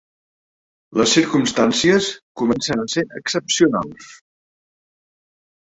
Les circumstàncies comencen a ser excepcionals.